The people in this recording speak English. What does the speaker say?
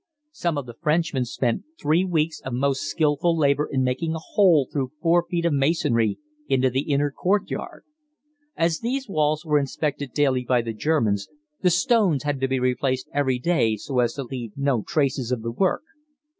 Some of the Frenchmen spent three weeks of most skilful labor in making a hole through 4 feet of masonry into the inner courtyard. As these walls were inspected daily by the Germans the stones had to be replaced every day so as to leave no trace of the work.